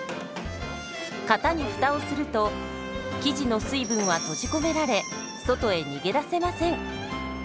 型にフタをすると生地の水分は閉じ込められ外へ逃げ出せません。